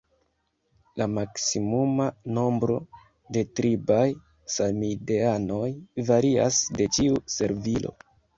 La maksimuma nombro de tribaj samideanoj varias de ĉiu servilo.